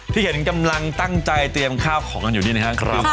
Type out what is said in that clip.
ที่เห็นกำลังตั้งใจเตรียมข้าวของกันอยู่นี่นะครับ